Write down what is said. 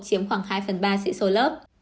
chiếm khoảng hai phần ba sĩ số lớp